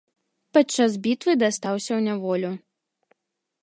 Падчас бітвы дастаўся ў няволю.